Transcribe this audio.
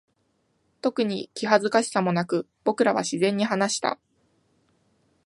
特に気恥ずかしさもなく、僕らは自然に話した。